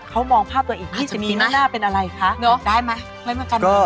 เขามองภาพตัวอีก๒๐ปีหน้าเป็นอะไรคะ